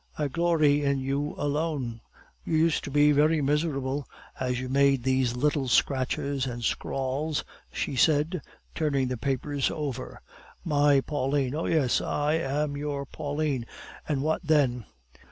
"I glory in you alone." "You used to be very miserable as you made these little scratches and scrawls," she said, turning the papers over. "My Pauline " "Oh yes, I am your Pauline and what then?"